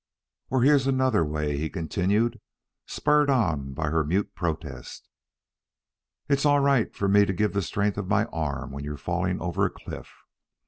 "Or here's another way," he continued, spurred on by her mute protest. "It's all right for me to give the strength of my arm when you're falling over a cliff.